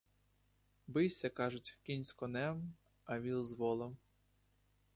Бийся, кажуть, кінь з конем, а віл з волом!